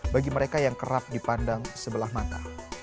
bagi mereka yang kerap dipandang sebelah mata